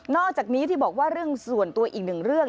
อกจากนี้ที่บอกว่าเรื่องส่วนตัวอีกหนึ่งเรื่อง